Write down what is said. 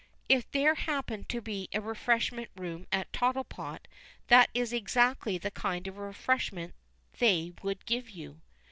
(If there happened to be a refreshment room at Tottlepot that is exactly the kind of refreshment they would give you).